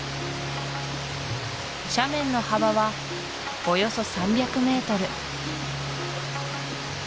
斜面の幅はおよそ３００ｍ